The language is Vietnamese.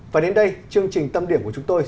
và đến đây chương trình tâm điểm của chúng tôi